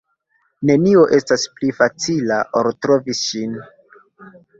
Nenio estas pli facila, ol trovi ŝin.